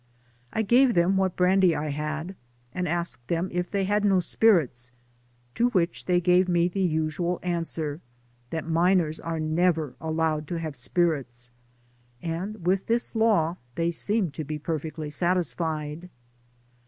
I gave them what brandy I had, and asked them if they had no spirits, to which they gave me the usual answer, that miners are never allowed to have spirits, and with this law they seemed to be per fectly satisfied.